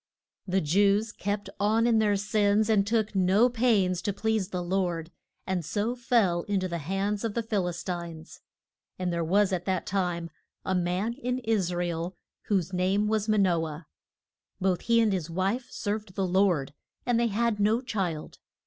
THE Jews kept on in their sins, and took no pains to please the Lord, and so fell in to the hands of the Phil is tines. And there was at that time a man in Is ra el whose name was Ma no ah. Both he and his wife served the Lord; and they had no child.